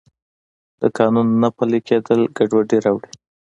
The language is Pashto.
د قانون نه پلی کیدل ګډوډي راوړي.